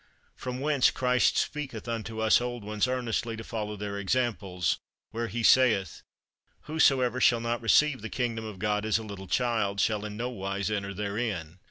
From whence Christ speaketh unto us old ones earnestly to follow their examples, where he saith, "Whosoever shall not receive the kingdom of God as a little child shall in no wise enter therein."